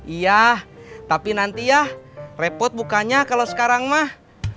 iya tapi nanti ya repot bukannya kalau sekarang mah